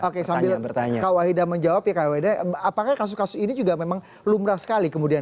oke sambil kak wahida menjawab ya kak weda apakah kasus kasus ini juga memang lumrah sekali kemudian